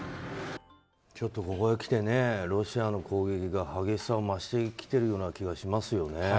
ちょっとここへきてロシアの攻撃が激しさを増してきてるような気がしてますよね。